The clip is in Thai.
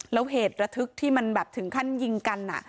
แล้วเหตุระทึกที่มันแบบถึงขั้นยิงกัน